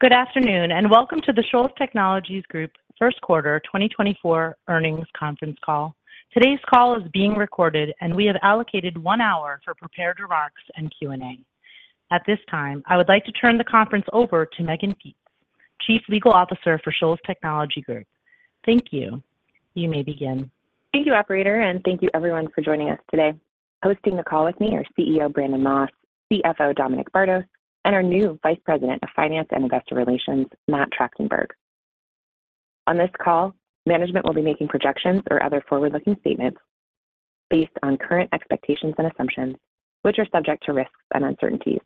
Good afternoon, and welcome to the Shoals Technologies Group First Quarter 2024 Earnings Conference Call. Today's call is being recorded, and we have allocated one hour for prepared remarks and Q&A. At this time, I would like to turn the conference over to Mehgan Peetz, Chief Legal Officer for Shoals Technologies Group. Thank you. You may begin. Thank you, operator, and thank you everyone for joining us today. Hosting the call with me are CEO, Brandon Moss, CFO, Dominic Bardos, and our new Vice President of Finance and Investor Relations, Matt Tractenberg. On this call, management will be making projections or other forward-looking statements based on current expectations and assumptions, which are subject to risks and uncertainties.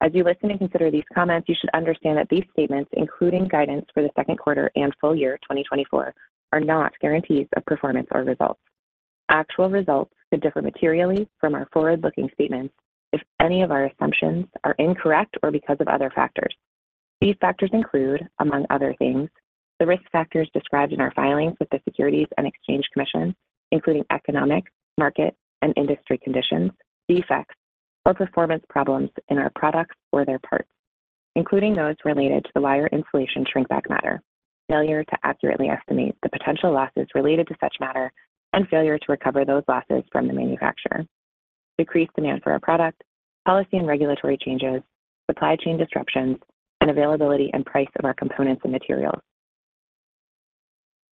As you listen and consider these comments, you should understand that these statements, including guidance for the second quarter and full year 2024, are not guarantees of performance or results. Actual results could differ materially from our forward-looking statements if any of our assumptions are incorrect or because of other factors. These factors include, among other things, the risk factors described in our filings with the Securities and Exchange Commission, including economic, market, and industry conditions, defects or performance problems in our products or their parts, including those related to the wire insulation shrinkback matter, failure to accurately estimate the potential losses related to such matter, and failure to recover those losses from the manufacturer. Decreased demand for our product, policy and regulatory changes, supply chain disruptions, and availability and price of our components and materials.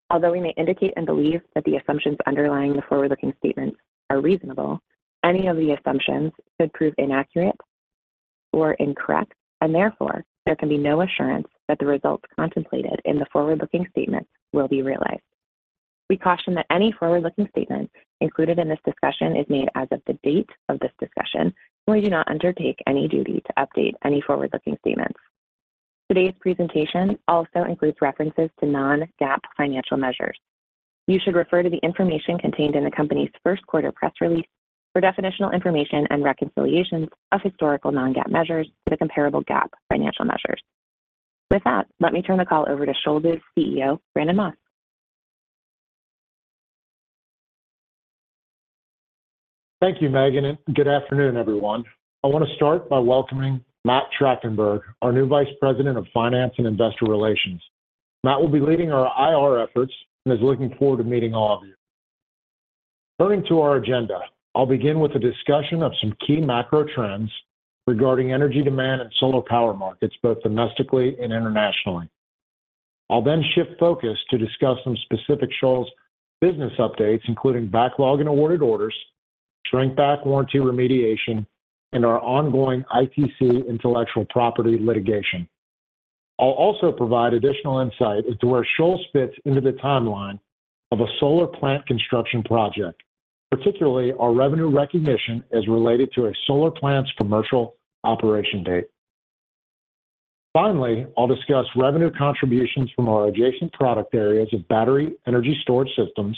Although we may indicate and believe that the assumptions underlying the forward-looking statements are reasonable, any of the assumptions could prove inaccurate or incorrect, and therefore, there can be no assurance that the results contemplated in the forward-looking statements will be realized. We caution that any forward-looking statement included in this discussion is made as of the date of this discussion, and we do not undertake any duty to update any forward-looking statements. Today's presentation also includes references to non-GAAP financial measures. You should refer to the information contained in the company's first quarter press release for definitional information and reconciliations of historical non-GAAP measures to the comparable GAAP financial measures. With that, let me turn the call over to Shoals' CEO, Brandon Moss. Thank you, Mehgan, and good afternoon, everyone. I want to start by welcoming Matt Tractenberg, our new Vice President of Finance and Investor Relations. Matt will be leading our IR efforts and is looking forward to meeting all of you. Turning to our agenda, I'll begin with a discussion of some key macro trends regarding energy demand and solar power markets, both domestically and internationally. I'll then shift focus to discuss some specific Shoals business updates, including backlog and awarded orders, shrinkback warranty remediation, and our ongoing ITC intellectual property litigation. I'll also provide additional insight as to where Shoals fits into the timeline of a solar plant construction project, particularly our revenue recognition as related to a solar plant's commercial operation date. Finally, I'll discuss revenue contributions from our adjacent product areas of battery energy storage systems,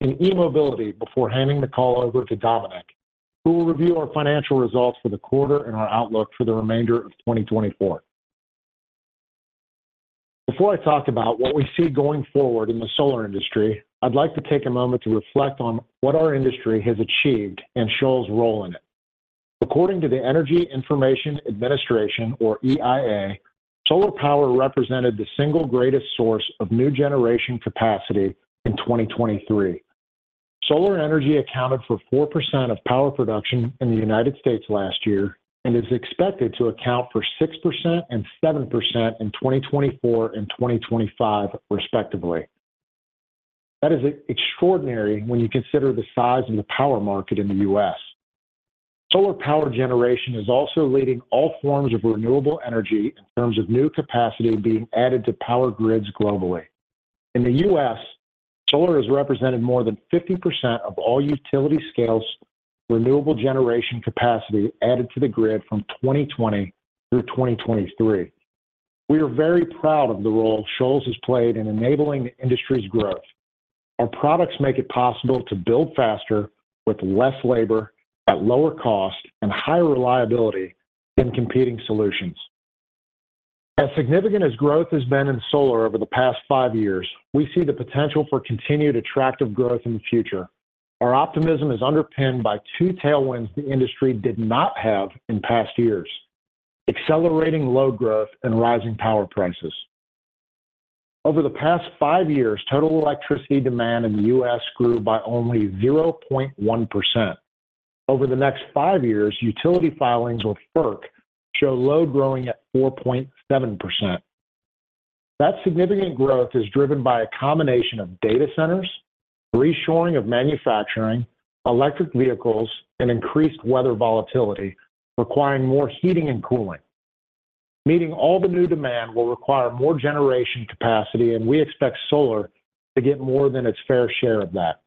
and e-mobility before handing the call over to Dominic, who will review our financial results for the quarter and our outlook for the remainder of 2024. Before I talk about what we see going forward in the solar industry, I'd like to take a moment to reflect on what our industry has achieved and Shoals's role in it. According to the Energy Information Administration, or EIA, solar power represented the single greatest source of new generation capacity in 2023. Solar energy accounted for 4% of power production in the United States last year and is expected to account for 6% and 7% in 2024 and 2025, respectively. That is extraordinary when you consider the size of the power market in the U.S. Solar power generation is also leading all forms of renewable energy in terms of new capacity being added to power grids globally. In the U.S., solar has represented more than 50% of all utility-scale renewable generation capacity added to the grid from 2020 through 2023. We are very proud of the role Shoals has played in enabling the industry's growth. Our products make it possible to build faster, with less labor, at lower cost and higher reliability than competing solutions. As significant as growth has been in solar over the past five years, we see the potential for continued attractive growth in the future. Our optimism is underpinned by two tailwinds the industry did not have in past years: accelerating load growth and rising power prices. Over the past five years, total electricity demand in the U.S. grew by only 0.1%. Over the next 5 years, utility filings with FERC show load growing at 4.7%. That significant growth is driven by a combination of data centers, reshoring of manufacturing, electric vehicles, and increased weather volatility, requiring more heating and cooling. Meeting all the new demand will require more generation capacity, and we expect solar to get more than its fair share of that.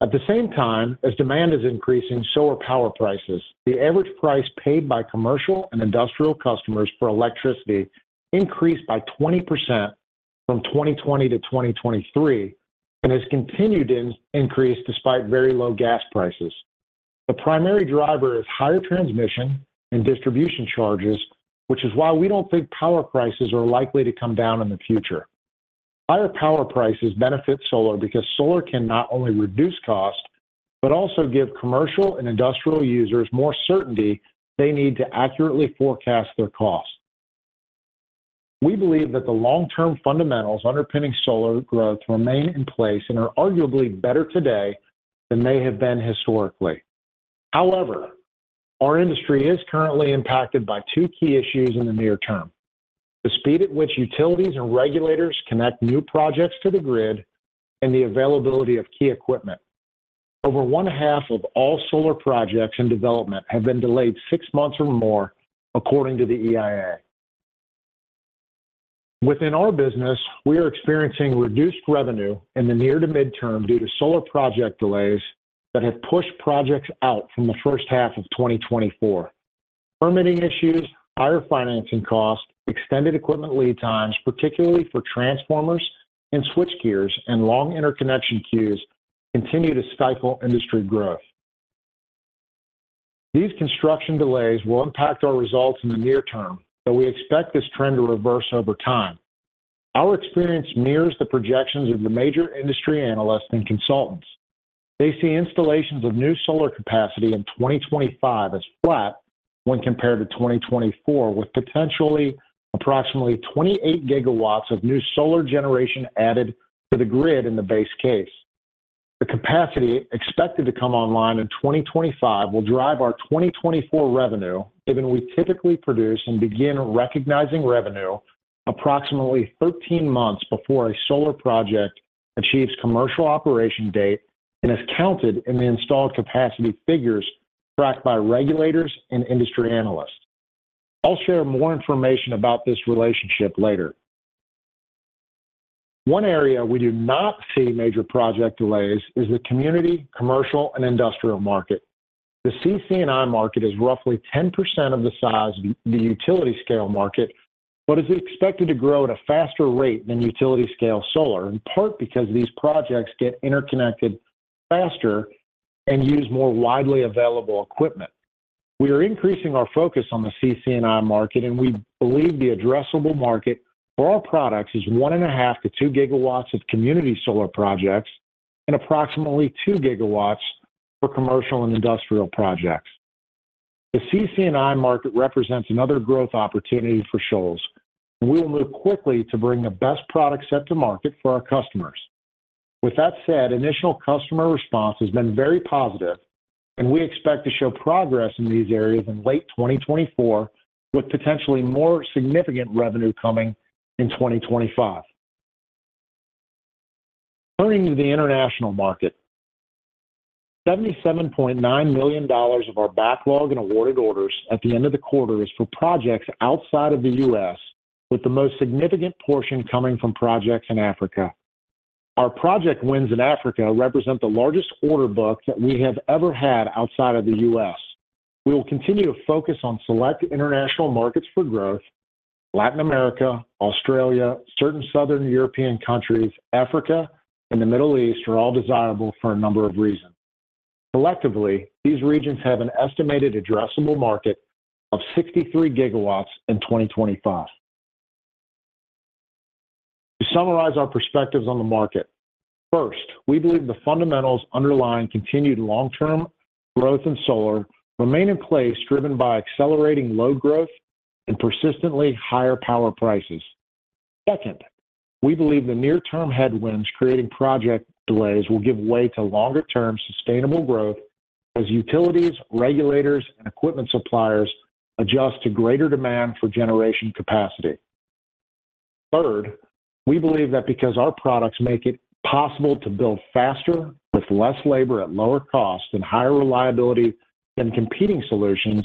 At the same time, as demand is increasing, solar power prices, the average price paid by commercial and industrial customers for electricity increased by 20% from 2020 to 2023 and has continued in increase despite very low gas prices. The primary driver is higher transmission and distribution charges, which is why we don't think power prices are likely to come down in the future. Higher power prices benefit solar because solar can not only reduce cost, but also give commercial and industrial users more certainty they need to accurately forecast their costs. We believe that the long-term fundamentals underpinning solar growth remain in place and are arguably better today than they have been historically. However, our industry is currently impacted by two key issues in the near term: the speed at which utilities and regulators connect new projects to the grid and the availability of key equipment. Over one half of all solar projects in development have been delayed six months or more, according to the EIA. Within our business, we are experiencing reduced revenue in the near to midterm due to solar project delays that have pushed projects out from the first half of 2024. Permitting issues, higher financing costs, extended equipment lead times, particularly for transformers and switchgears, and long interconnection queues continue to stifle industry growth. These construction delays will impact our results in the near term, but we expect this trend to reverse over time. Our experience mirrors the projections of the major industry analysts and consultants. They see installations of new solar capacity in 2025 as flat when compared to 2024, with potentially approximately 28 gigawatts of new solar generation added to the grid in the base case. The capacity expected to come online in 2025 will drive our 2024 revenue, given we typically produce and begin recognizing revenue approximately 13 months before a solar project achieves commercial operation date and is counted in the installed capacity figures tracked by regulators and industry analysts. I'll share more information about this relationship later. One area we do not see major project delays is the community, commercial, and industrial market. The CC&I market is roughly 10% of the size of the utility scale market, but is expected to grow at a faster rate than utility scale solar, in part because these projects get interconnected faster and use more widely available equipment. We are increasing our focus on the CC&I market, and we believe the addressable market for our products is 1.5-2 gigawatts of community solar projects and approximately 2 gigawatts for commercial and industrial projects. The CC&I market represents another growth opportunity for Shoals. We will move quickly to bring the best product set to market for our customers. With that said, initial customer response has been very positive, and we expect to show progress in these areas in late 2024, with potentially more significant revenue coming in 2025. Turning to the international market, $77.9 million of our backlog and awarded orders at the end of the quarter is for projects outside of the U.S., with the most significant portion coming from projects in Africa. Our project wins in Africa represent the largest order book that we have ever had outside of the U.S. We will continue to focus on select international markets for growth. Latin America, Australia, certain southern European countries, Africa, and the Middle East are all desirable for a number of reasons. Collectively, these regions have an estimated addressable market of 63 GW in 2025. To summarize our perspectives on the market, first, we believe the fundamentals underlying continued long-term growth in solar remain in place, driven by accelerating load growth and persistently higher power prices. Second, we believe the near-term headwinds creating project delays will give way to longer-term, sustainable growth as utilities, regulators, and equipment suppliers adjust to greater demand for generation capacity. Third, we believe that because our products make it possible to build faster, with less labor, at lower cost, and higher reliability than competing solutions,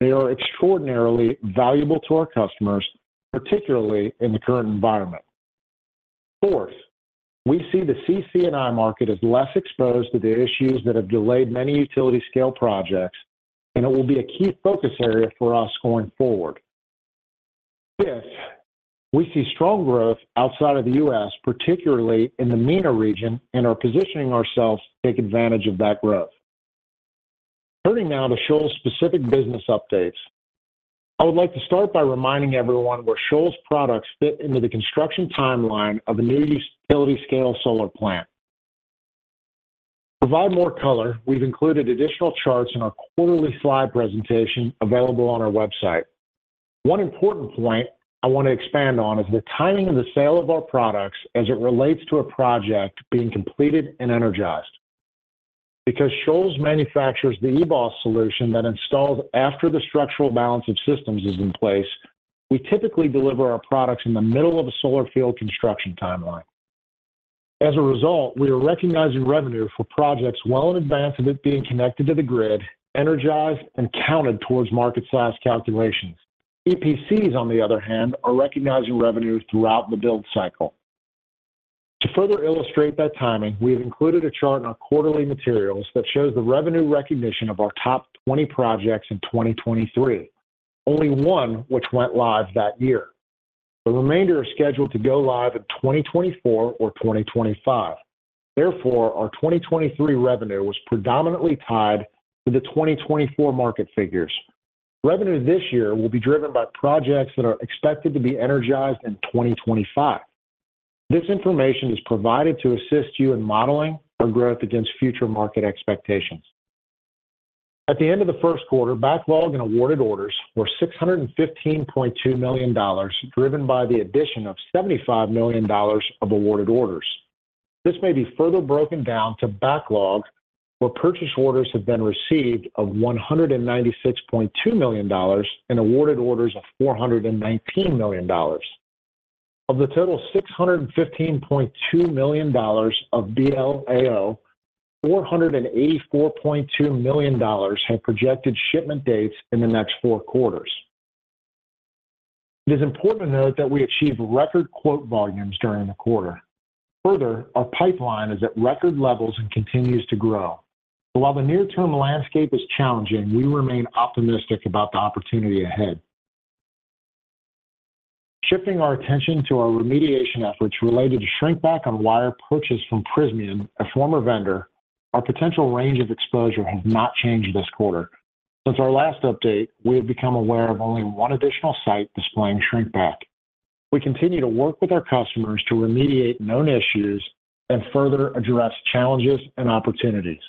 they are extraordinarily valuable to our customers, particularly in the current environment. Fourth, we see the CC&I market as less exposed to the issues that have delayed many utility scale projects, and it will be a key focus area for us going forward. Fifth, we see strong growth outside of the U.S., particularly in the MENA region, and are positioning ourselves to take advantage of that growth. Turning now to Shoals' specific business updates. I would like to start by reminding everyone where Shoals' products fit into the construction timeline of a new utility scale solar plant. To provide more color, we've included additional charts in our quarterly slide presentation available on our website. One important point I want to expand on is the timing of the sale of our products as it relates to a project being completed and energized. Because Shoals manufactures the EBOS solution that installed after the structural balance of systems is in place, we typically deliver our products in the middle of a solar field construction timeline. As a result, we are recognizing revenue for projects well in advance of it being connected to the grid, energized, and counted towards market size calculations. EPCs, on the other hand, are recognizing revenues throughout the build cycle. To further illustrate that timing, we have included a chart in our quarterly materials that shows the revenue recognition of our top 20 projects in 2023, only one which went live that year. The remainder are scheduled to go live in 2024 or 2025. Therefore, our 2023 revenue was predominantly tied to the 2024 market figures. ... Revenue this year will be driven by projects that are expected to be energized in 2025. This information is provided to assist you in modeling our growth against future market expectations. At the end of the first quarter, backlog and awarded orders were $615.2 million, driven by the addition of $75 million of awarded orders. This may be further broken down to backlog, where purchase orders have been received of $196.2 million and awarded orders of $419 million. Of the total $615.2 million of BLAO, $484.2 million have projected shipment dates in the next four quarters. It is important to note that we achieved record quote volumes during the quarter. Further, our pipeline is at record levels and continues to grow. While the near-term landscape is challenging, we remain optimistic about the opportunity ahead. Shifting our attention to our remediation efforts related to shrinkback on wire purchased from Prysmian, a former vendor, our potential range of exposure has not changed this quarter. Since our last update, we have become aware of only one additional site displaying shrinkback. We continue to work with our customers to remediate known issues and further address challenges and opportunities.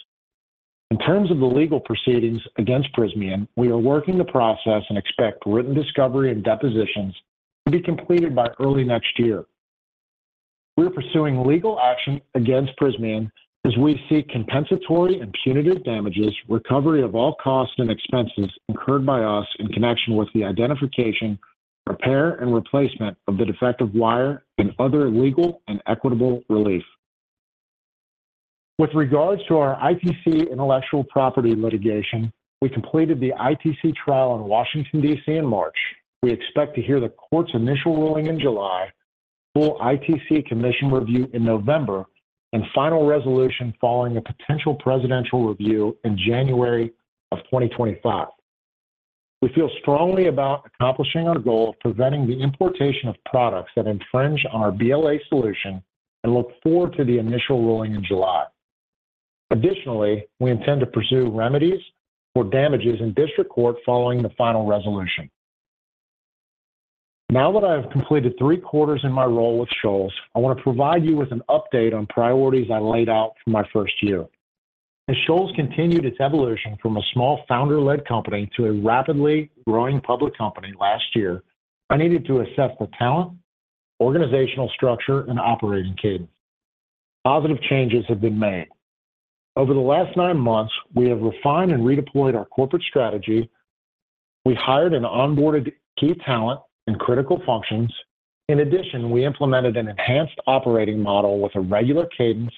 In terms of the legal proceedings against Prysmian, we are working the process and expect written discovery and depositions to be completed by early next year. We are pursuing legal action against Prysmian as we seek compensatory and punitive damages, recovery of all costs and expenses incurred by us in connection with the identification, repair, and replacement of the defective wire, and other legal and equitable relief. With regards to our ITC intellectual property litigation, we completed the ITC trial in Washington, D.C. in March. We expect to hear the court's initial ruling in July, full ITC commission review in November, and final resolution following a potential presidential review in January 2025. We feel strongly about accomplishing our goal of preventing the importation of products that infringe on our BLA solution and look forward to the initial ruling in July. Additionally, we intend to pursue remedies for damages in district court following the final resolution. Now that I have completed three quarters in my role with Shoals, I want to provide you with an update on priorities I laid out for my first year. As Shoals continued its evolution from a small founder-led company to a rapidly growing public company last year, I needed to assess the talent, organizational structure, and operating cadence. Positive changes have been made. Over the last nine months, we have refined and redeployed our corporate strategy. We hired and onboarded key talent in critical functions. In addition, we implemented an enhanced operating model with a regular cadence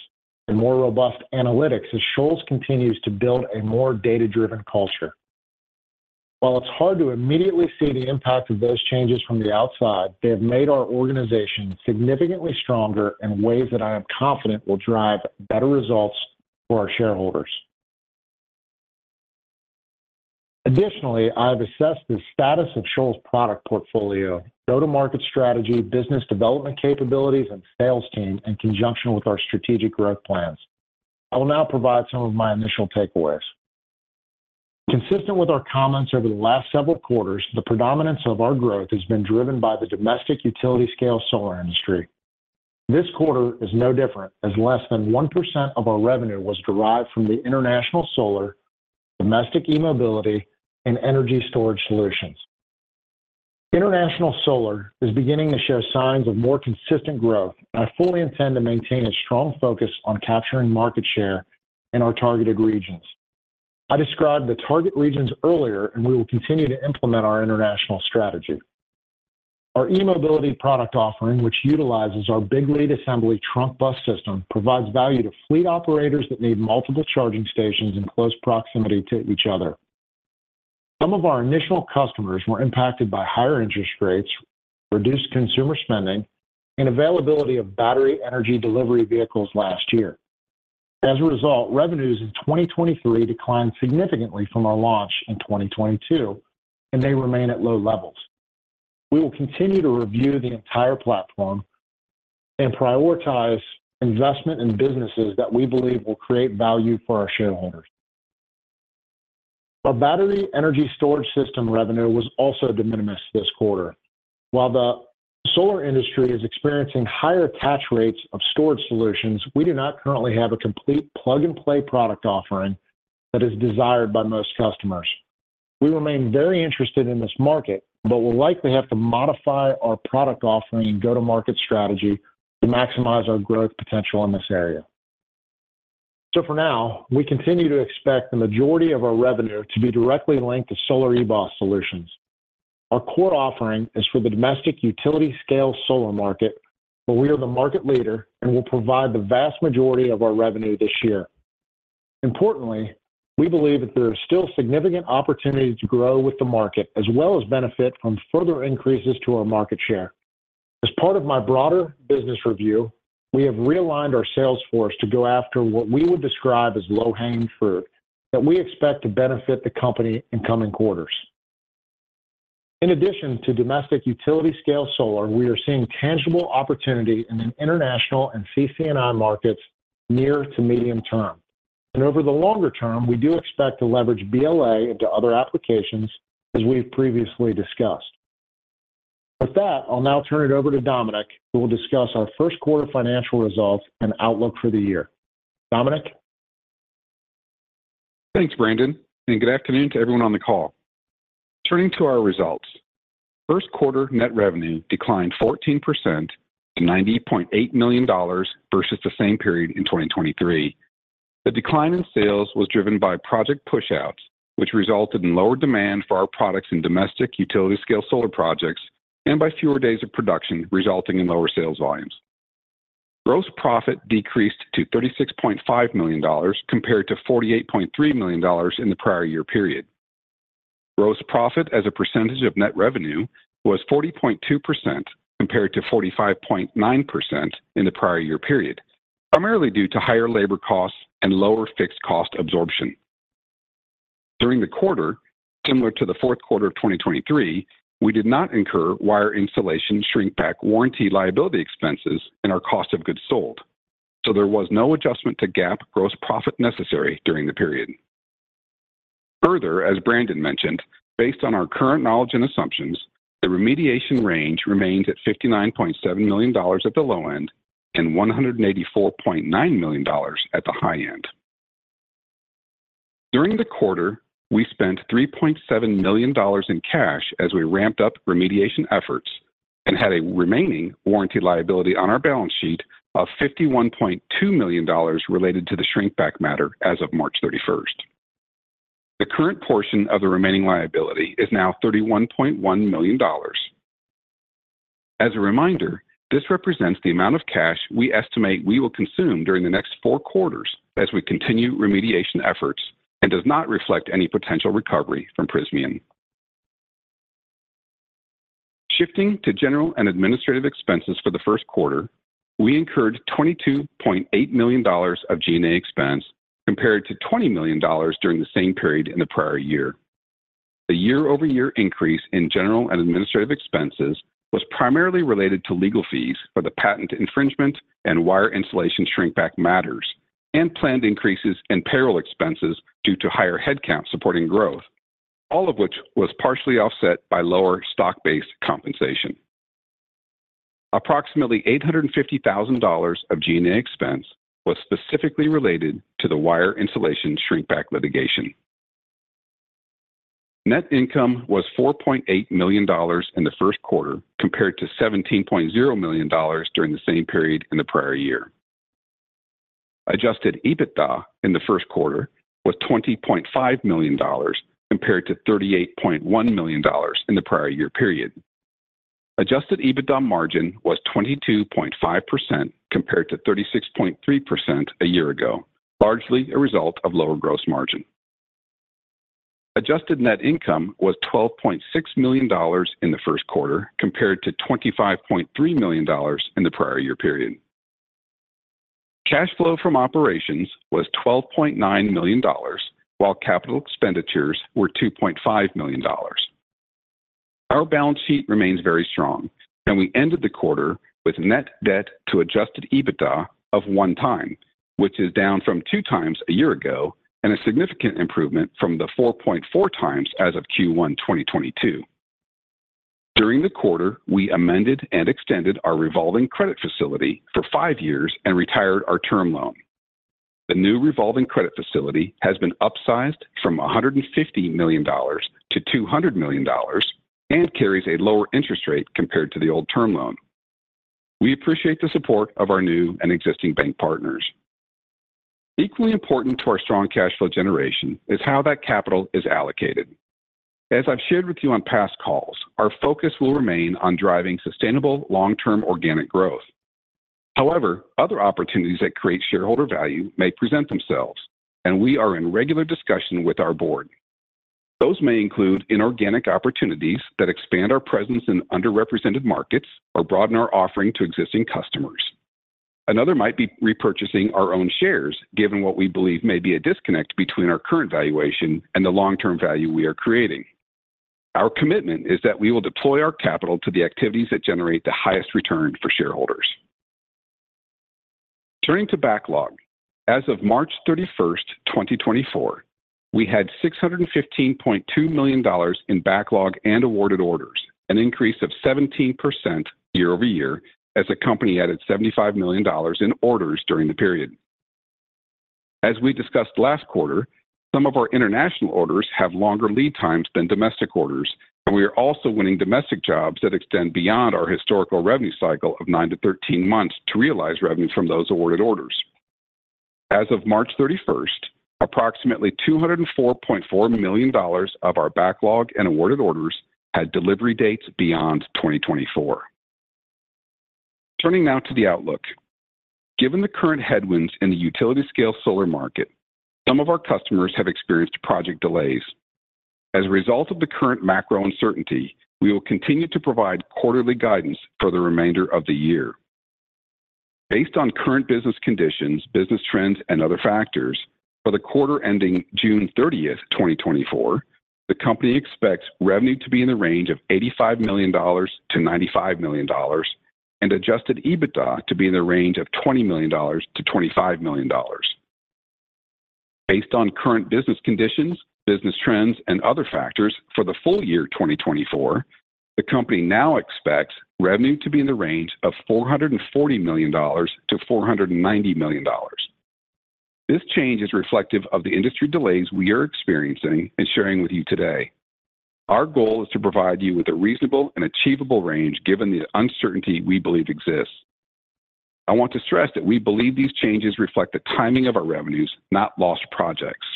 and more robust analytics as Shoals continues to build a more data-driven culture. While it's hard to immediately see the impact of those changes from the outside, they have made our organization significantly stronger in ways that I am confident will drive better results for our shareholders. Additionally, I have assessed the status of Shoals' product portfolio, go-to-market strategy, business development capabilities, and sales team in conjunction with our strategic growth plans. I will now provide some of my initial takeaways. Consistent with our comments over the last several quarters, the predominance of our growth has been driven by the domestic utility scale solar industry. This quarter is no different, as less than 1% of our revenue was derived from the international solar, domestic e-mobility, and energy storage solutions. International solar is beginning to show signs of more consistent growth, and I fully intend to maintain a strong focus on capturing market share in our targeted regions. I described the target regions earlier, and we will continue to implement our international strategy. Our e-mobility product offering, which utilizes our Big Lead Assembly trunk bus system, provides value to fleet operators that need multiple charging stations in close proximity to each other. Some of our initial customers were impacted by higher interest rates, reduced consumer spending, and availability of battery energy delivery vehicles last year. As a result, revenues in 2023 declined significantly from our launch in 2022, and they remain at low levels. We will continue to review the entire platform and prioritize investment in businesses that we believe will create value for our shareholders. Our battery energy storage system revenue was also de minimis this quarter. While the solar industry is experiencing higher attach rates of storage solutions, we do not currently have a complete plug-and-play product offering that is desired by most customers. We remain very interested in this market, but will likely have to modify our product offering and go-to-market strategy to maximize our growth potential in this area. So for now, we continue to expect the majority of our revenue to be directly linked to solar EBOS solutions. Our core offering is for the domestic utility scale solar market, where we are the market leader and will provide the vast majority of our revenue this year. Importantly, we believe that there are still significant opportunities to grow with the market, as well as benefit from further increases to our market share. As part of my broader business review, we have realigned our sales force to go after what we would describe as low-hanging fruit that we expect to benefit the company in coming quarters... In addition to domestic utility scale solar, we are seeing tangible opportunity in the international and CC&I markets near to medium term. And over the longer term, we do expect to leverage BLA into other applications, as we've previously discussed. With that, I'll now turn it over to Dominic, who will discuss our first quarter financial results and outlook for the year. Dominic? Thanks, Brandon, and good afternoon to everyone on the call. Turning to our results. First quarter net revenue declined 14% to $90.8 million versus the same period in 2023. The decline in sales was driven by project pushouts, which resulted in lower demand for our products in domestic utility scale solar projects and by fewer days of production, resulting in lower sales volumes. Gross profit decreased to $36.5 million, compared to $48.3 million in the prior year period. Gross profit as a percentage of net revenue was 40.2%, compared to 45.9% in the prior year period, primarily due to higher labor costs and lower fixed cost absorption. During the quarter, similar to the fourth quarter of 2023, we did not incur wire installation shrinkback warranty liability expenses in our cost of goods sold, so there was no adjustment to GAAP gross profit necessary during the period. Further, as Brandon mentioned, based on our current knowledge and assumptions, the remediation range remains at $59.7 million at the low end and $184.9 million at the high end. During the quarter, we spent $3.7 million in cash as we ramped up remediation efforts and had a remaining warranty liability on our balance sheet of $51.2 million related to the shrinkback matter as of March 31st. The current portion of the remaining liability is now $31.1 million. As a reminder, this represents the amount of cash we estimate we will consume during the next four quarters as we continue remediation efforts, and does not reflect any potential recovery from Prysmian. Shifting to general and administrative expenses for the first quarter, we incurred $22.8 million of G&A expense, compared to $20 million during the same period in the prior year. The year-over-year increase in general and administrative expenses was primarily related to legal fees for the patent infringement and wire insulation shrinkback matters, and planned increases in payroll expenses due to higher headcount supporting growth, all of which was partially offset by lower stock-based compensation. Approximately $850,000 of G&A expense was specifically related to the wire insulation shrinkback litigation. Net income was $4.8 million in the first quarter, compared to $17.0 million during the same period in the prior year. Adjusted EBITDA in the first quarter was $20.5 million, compared to $38.1 million in the prior year period. Adjusted EBITDA margin was 22.5%, compared to 36.3% a year ago, largely a result of lower gross margin. Adjusted net income was $12.6 million in the first quarter, compared to $25.3 million in the prior year period. Cash flow from operations was $12.9 million, while capital expenditures were $2.5 million. Our balance sheet remains very strong, and we ended the quarter with net debt to Adjusted EBITDA of 1x, which is down from 2x a year ago and a significant improvement from the 4.4x as of Q1 2022. During the quarter, we amended and extended our revolving credit facility for 5 years and retired our term loan. The new revolving credit facility has been upsized from $150 million to $200 million and carries a lower interest rate compared to the old term loan. We appreciate the support of our new and existing bank partners. Equally important to our strong cash flow generation is how that capital is allocated. As I've shared with you on past calls, our focus will remain on driving sustainable, long-term organic growth. However, other opportunities that create shareholder value may present themselves, and we are in regular discussion with our board. Those may include inorganic opportunities that expand our presence in underrepresented markets or broaden our offering to existing customers. Another might be repurchasing our own shares, given what we believe may be a disconnect between our current valuation and the long-term value we are creating. Our commitment is that we will deploy our capital to the activities that generate the highest return for shareholders. Turning to backlog, as of March 31st, 2024, we had $615.2 million in backlog and awarded orders, an increase of 17% YoY as the company added $75 million in orders during the period. As we discussed last quarter, some of our international orders have longer lead times than domestic orders, and we are also winning domestic jobs that extend beyond our historical revenue cycle of 9-13 months to realize revenue from those awarded orders. As of March 31st, approximately $204.4 million of our backlog and awarded orders had delivery dates beyond 2024. Turning now to the outlook. Given the current headwinds in the utility scale solar market, some of our customers have experienced project delays. As a result of the current macro uncertainty, we will continue to provide quarterly guidance for the remainder of the year.... Based on current business conditions, business trends, and other factors, for the quarter ending June 30, 2024, the company expects revenue to be in the range of $85 million-$95 million and Adjusted EBITDA to be in the range of $20 million-$25 million. Based on current business conditions, business trends, and other factors for the full year 2024, the company now expects revenue to be in the range of $440 million-$490 million. This change is reflective of the industry delays we are experiencing and sharing with you today. Our goal is to provide you with a reasonable and achievable range, given the uncertainty we believe exists. I want to stress that we believe these changes reflect the timing of our revenues, not lost projects.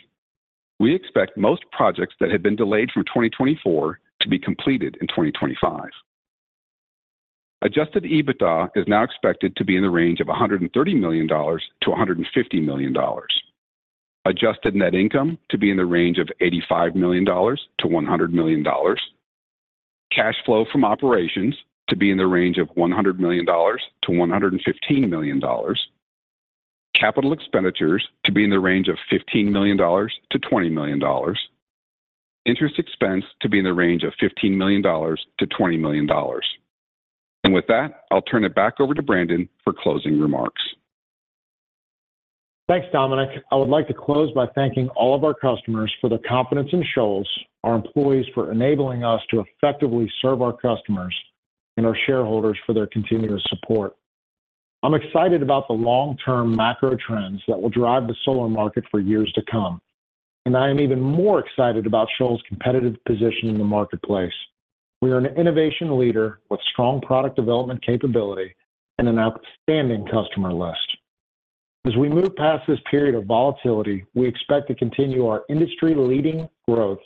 We expect most projects that have been delayed from 2024 to be completed in 2025. Adjusted EBITDA is now expected to be in the range of $130 million-$150 million. Adjusted net income to be in the range of $85 million-$100 million. Cash flow from operations to be in the range of $100 million-$115 million. Capital expenditures to be in the range of $15 million-$20 million. Interest expense to be in the range of $15 million-$20 million. And with that, I'll turn it back over to Brandon for closing remarks. Thanks, Dominic. I would like to close by thanking all of our customers for their confidence in Shoals, our employees for enabling us to effectively serve our customers, and our shareholders for their continuous support. I'm excited about the long-term macro trends that will drive the solar market for years to come, and I am even more excited about Shoals' competitive position in the marketplace. We are an innovation leader with strong product development capability and an outstanding customer list. As we move past this period of volatility, we expect to continue our industry-leading growth,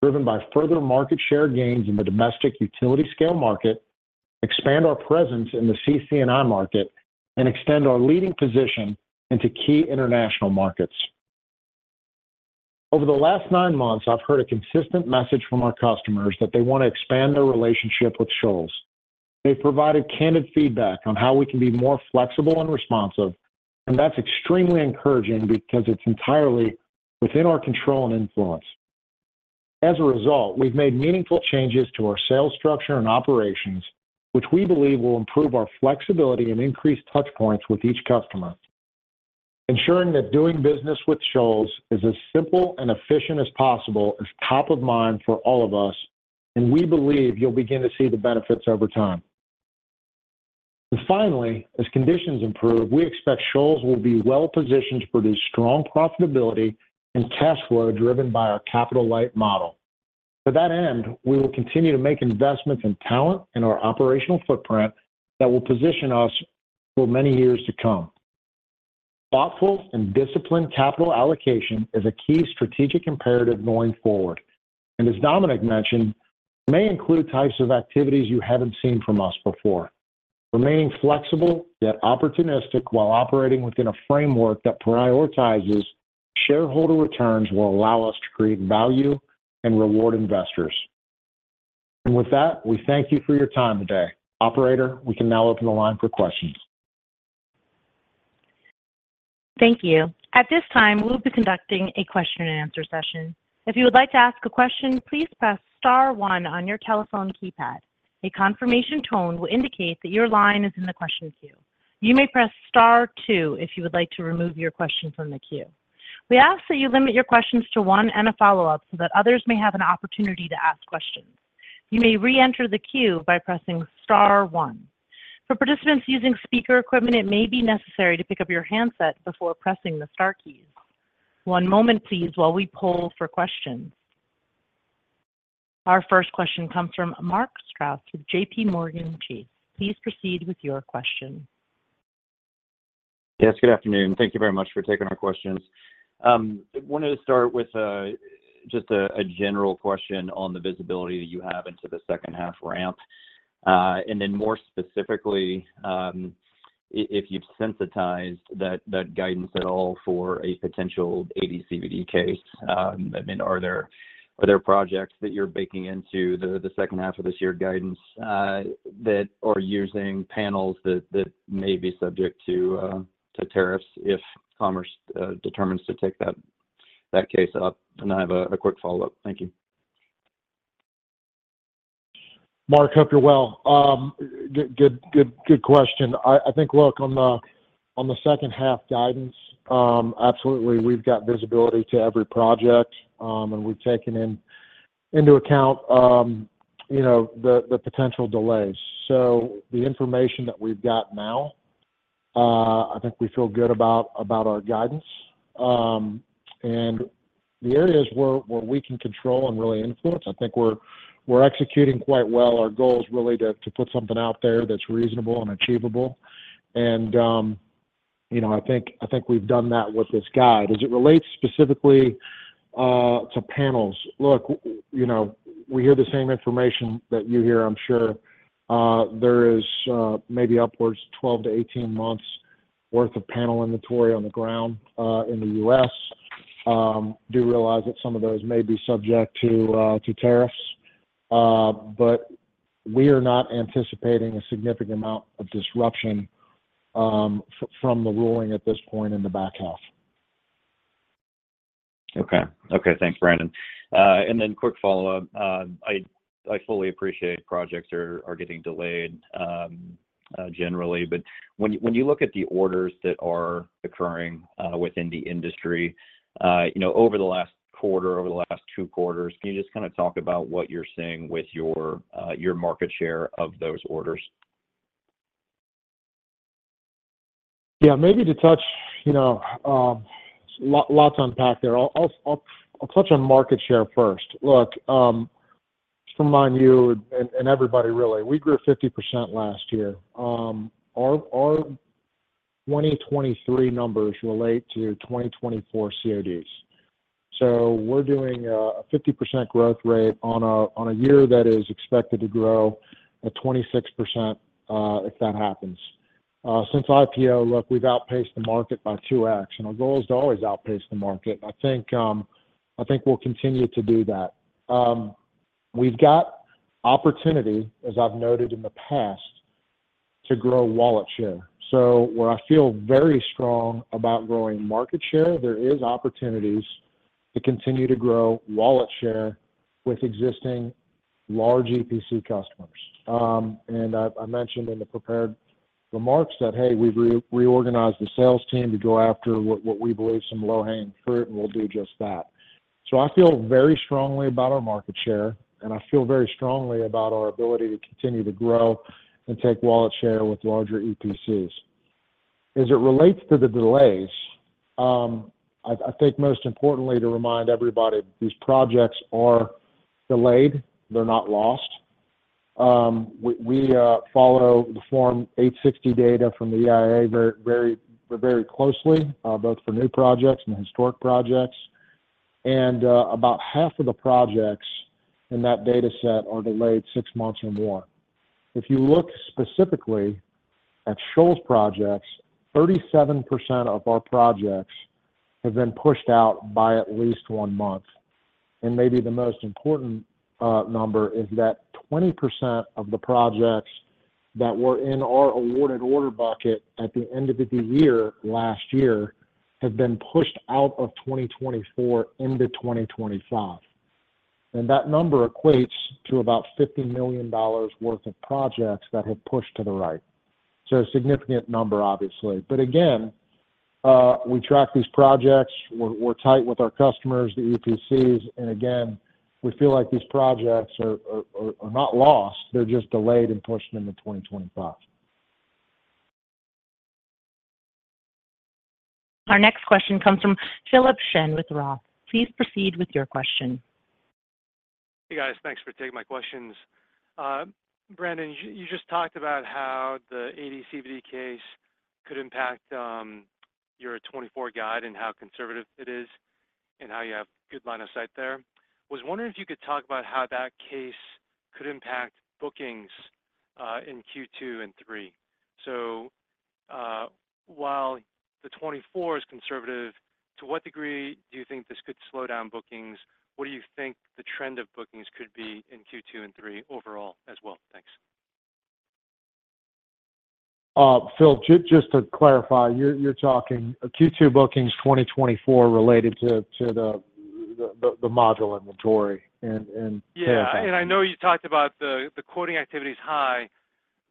driven by further market share gains in the domestic utility scale market, expand our presence in the CC&I market, and extend our leading position into key international markets. Over the last nine months, I've heard a consistent message from our customers that they want to expand their relationship with Shoals. They've provided candid feedback on how we can be more flexible and responsive, and that's extremely encouraging because it's entirely within our control and influence. As a result, we've made meaningful changes to our sales structure and operations, which we believe will improve our flexibility and increase touch points with each customer. Ensuring that doing business with Shoals is as simple and efficient as possible is top of mind for all of us, and we believe you'll begin to see the benefits over time. And finally, as conditions improve, we expect Shoals will be well positioned to produce strong profitability and cash flow, driven by our capital-light model. To that end, we will continue to make investments in talent and our operational footprint that will position us for many years to come. Thoughtful and disciplined capital allocation is a key strategic imperative going forward, and as Dominic mentioned, may include types of activities you haven't seen from us before. Remaining flexible, yet opportunistic, while operating within a framework that prioritizes shareholder returns, will allow us to create value and reward investors. And with that, we thank you for your time today. Operator, we can now open the line for questions. Thank you. At this time, we'll be conducting a question and answer session. If you would like to ask a question, please press star one on your telephone keypad. A confirmation tone will indicate that your line is in the question queue. You may press star two if you would like to remove your question from the queue. We ask that you limit your questions to one and a follow-up, so that others may have an opportunity to ask questions. You may reenter the queue by pressing star one. For participants using speaker equipment, it may be necessary to pick up your handset before pressing the star keys. One moment, please, while we poll for questions. Our first question comes from Mark Strouse with JPMorgan Chase. Please proceed with your question. Yes, good afternoon. Thank you very much for taking our questions. I wanted to start with just a general question on the visibility that you have into the second half ramp. And then more specifically, if you've sensitized that guidance at all for a potential AD/CVD case. I mean, are there projects that you're baking into the second half of this year guidance that are using panels that may be subject to tariffs if commerce determines to take that case up? And I have a quick follow-up. Thank you. Mark, hope you're well. Good, good, good question. I think, look, on the second half guidance, absolutely, we've got visibility to every project, and we've taken into account, you know, the potential delays. So the information that we've got now, I think we feel good about our guidance. And the areas where we can control and really influence, I think we're executing quite well. Our goal is really to put something out there that's reasonable and achievable, and, you know, I think we've done that with this guide. As it relates specifically to panels, look, you know, we hear the same information that you hear, I'm sure. There is maybe upwards 12-18 months' worth of panel inventory on the ground in the U.S. Do realize that some of those may be subject to tariffs? But we are not anticipating a significant amount of disruption from the ruling at this point in the back half. Okay. Okay, thanks, Brandon. And then quick follow-up. I fully appreciate projects are getting delayed generally, but when you look at the orders that are occurring within the industry, you know, over the last quarter, over the last two quarters, can you just kind of talk about what you're seeing with your market share of those orders? Yeah, maybe to touch, you know, lots to unpack there. I'll touch on market share first. Look, just to remind you and everybody, really, we grew 50% last year. Our 2023 numbers relate to 2024 CODs. So we're doing a 50% growth rate on a year that is expected to grow at 26%, if that happens. Since IPO, look, we've outpaced the market by 2x, and our goal is to always outpace the market. I think we'll continue to do that. We've got opportunity, as I've noted in the past, to grow wallet share. So where I feel very strong about growing market share, there is opportunities to continue to grow wallet share with existing large EPC customers. I mentioned in the prepared remarks that, hey, we've reorganized the sales team to go after what we believe some low-hanging fruit, and we'll do just that. I feel very strongly about our market share, and I feel very strongly about our ability to continue to grow and take wallet share with larger EPCs. As it relates to the delays, I think most importantly, to remind everybody, these projects are delayed, they're not lost. We follow the Form 860 data from the EIA very, very, very closely, both for new projects and historic projects, and about half of the projects in that data set are delayed six months or more. If you look specifically at Shoals projects, 37% of our projects have been pushed out by at least one month. Maybe the most important number is that 20% of the projects that were in our awarded order bucket at the end of the year, last year, have been pushed out of 2024 into 2025. That number equates to about $50 million worth of projects that have pushed to the right. A significant number, obviously. But again, we track these projects, we're tight with our customers, the EPCs, and again, we feel like these projects are not lost, they're just delayed and pushed into 2025. Our next question comes from Philip Shen with Roth. Please proceed with your question. Hey, guys. Thanks for taking my questions. Brandon, you just talked about how the AD/CVD case could impact your 2024 guide, and how conservative it is, and how you have good line of sight there. Was wondering if you could talk about how that case could impact bookings in Q2 and Q3. While the 2024 is conservative, to what degree do you think this could slow down bookings? What do you think the trend of bookings could be in Q2 and Q3 overall as well? Thanks. Phil, just to clarify, you're talking Q2 bookings 2024 related to the module inventory and- Yeah, and I know you talked about the quoting activity is high,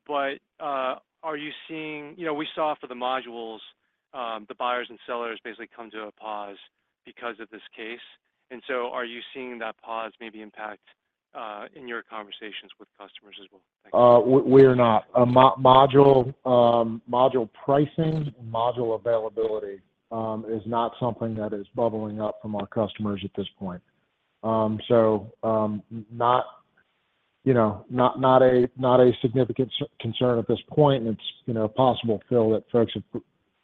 but are you seeing, you know, we saw for the modules, the buyers and sellers basically come to a pause because of this case. And so are you seeing that pause maybe impact in your conversations with customers as well? Thanks. We are not. Module pricing, module availability is not something that is bubbling up from our customers at this point. So, not, you know, not a significant concern at this point. It's, you know, possible, Phil, that folks have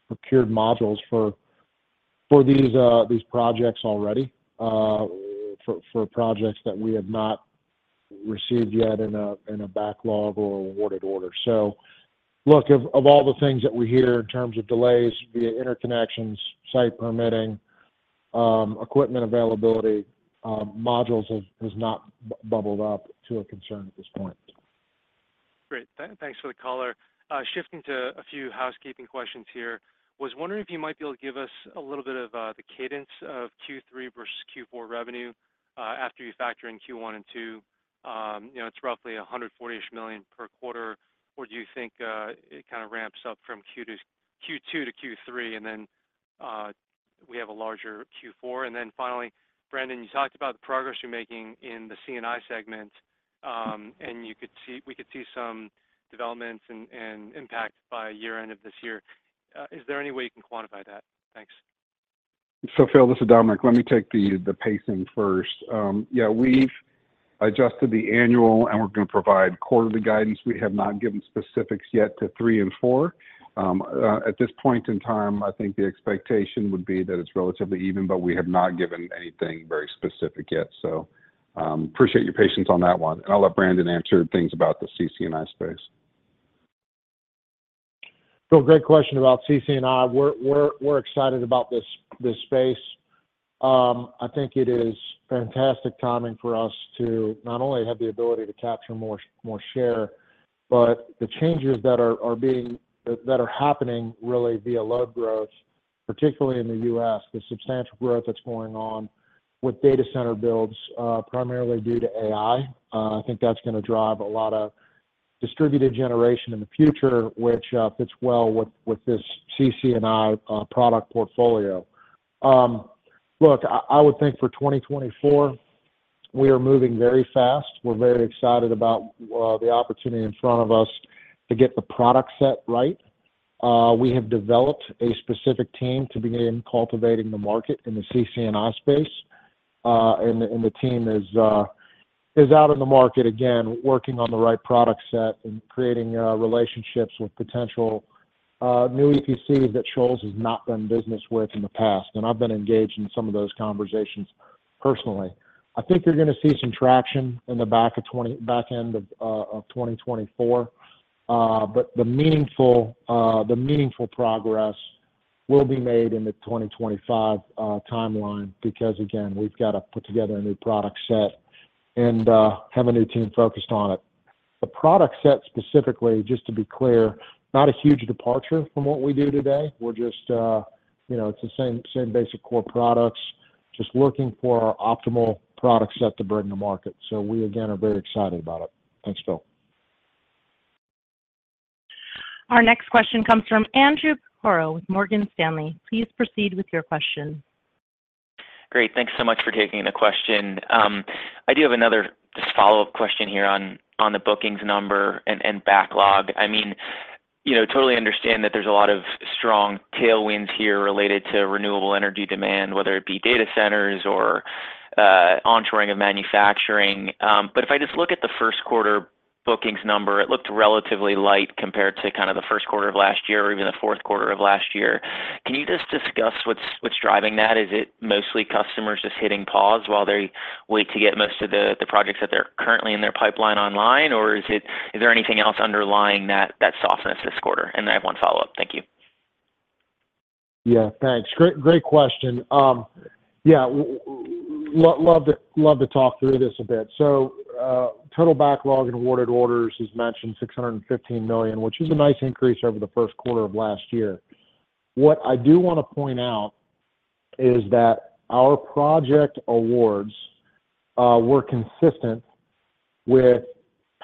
procured modules for these projects already, for projects that we have not received yet in a backlog or awarded order. So look, of all the things that we hear in terms of delays via interconnections, site permitting, equipment availability, modules has not bubbled up to a concern at this point. Great. Thanks for the color. Shifting to a few housekeeping questions here. Was wondering if you might be able to give us a little bit of the cadence of Q3 versus Q4 revenue, after you factor in Q1 and Q2. You know, it's roughly $140-ish million per quarter, or do you think it kind of ramps up from Q2 to Q3, and then we have a larger Q4? And then finally, Brandon, you talked about the progress you're making in the C&I segment, and we could see some developments and impact by year-end of this year. Is there any way you can quantify that? Thanks. So Phil, this is Dominic. Let me take the pacing first. Yeah, we've adjusted the annual, and we're going to provide quarterly guidance. We have not given specifics yet to three and four. At this point in time, I think the expectation would be that it's relatively even, but we have not given anything very specific yet. So, appreciate your patience on that one, and I'll let Brandon answer things about the CC&I space.... Phil, great question about CC&I. We're excited about this space. I think it is fantastic timing for us to not only have the ability to capture more share, but the changes that are happening really via load growth, particularly in the U.S., the substantial growth that's going on with data center builds, primarily due to AI. I think that's going to drive a lot of distributed generation in the future, which fits well with this CC&I product portfolio. Look, I would think for 2024, we are moving very fast. We're very excited about the opportunity in front of us to get the product set right. We have developed a specific team to begin cultivating the market in the CC&I space. The team is out in the market again, working on the right product set and creating relationships with potential new EPCs that Shoals has not done business with in the past. And I've been engaged in some of those conversations personally. I think you're going to see some traction in the back end of 2024. But the meaningful progress will be made in the 2025 timeline, because again, we've got to put together a new product set and have a new team focused on it. The product set specifically, just to be clear, not a huge departure from what we do today. We're just, you know, it's the same basic core products, just looking for our optimal product set to bring to market. So we, again, are very excited about it. Thanks, Phil. Our next question comes from Andrew Percoco with Morgan Stanley. Please proceed with your question. Great. Thanks so much for taking the question. I do have another just follow-up question here on the bookings number and backlog. I mean, you know, totally understand that there's a lot of strong tailwinds here related to renewable energy demand, whether it be data centers or onshoring of manufacturing. But if I just look at the first quarter bookings number, it looked relatively light compared to kind of the first quarter of last year or even the fourth quarter of last year. Can you just discuss what's driving that? Is it mostly customers just hitting pause while they wait to get most of the projects that are currently in their pipeline online? Or is it- is there anything else underlying that softness this quarter? And I have one follow-up. Thank you. Yeah, thanks. Great, great question. Yeah, we love to, love to talk through this a bit. So, total backlog and awarded orders, as mentioned, $615 million, which is a nice increase over the first quarter of last year. What I do want to point out is that our project awards were consistent with